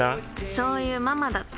そういうママだって。